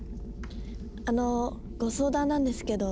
あのご相談なんですけど。